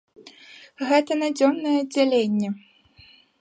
Гэта на дзённае аддзяленне.